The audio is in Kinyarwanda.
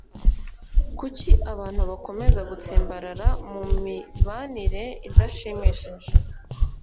kuki abantu bakomeza gutsimbarara mu mibanire idashimishije